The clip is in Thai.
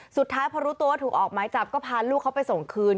สุดท้ายพอรู้ตัวว่าถูกออกไม้จับก็พาลูกเขาไปส่งคืน